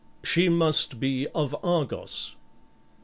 She must be of Argos."